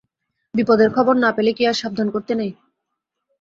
বিপদের খবর না পেলে কি আর সাবধান করতে নেই?